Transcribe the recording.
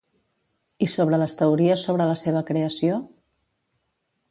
I sobre les teories sobre la seva creació?